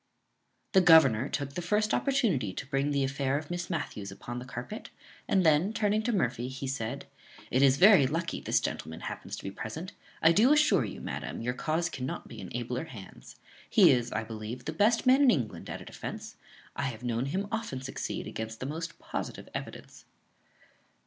The governor took the first opportunity to bring the affair of Miss Matthews upon the carpet, and then, turning to Murphy, he said, "It is very lucky this gentleman happens to be present; I do assure you, madam, your cause cannot be in abler hands. He is, I believe, the best man in England at a defence; I have known him often succeed against the most positive evidence."